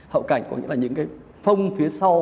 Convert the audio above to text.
hậu cảnh có nghĩa là những cái phongg phía sau